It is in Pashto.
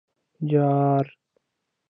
_جار!